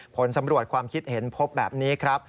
ผลสำรวจความคิดเห็นพบแบบนี้ครับ